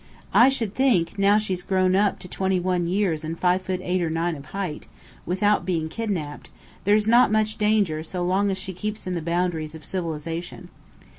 I should think, now she's grown up to twenty one years and five foot eight or nine of height, without being kidnapped, there's not much danger so long as she keeps in the boundaries of civilization.